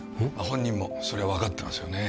本人もそれは分かってますよね